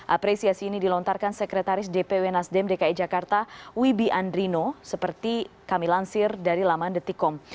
apresiasi ini dilontarkan sekretaris dpw nasdem dki jakarta wibi andrino seperti kami lansir dari laman detikom